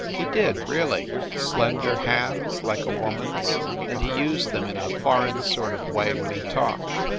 He did, really! Slender hands, like a woman s and he used them in a foreign sort of way when he talked.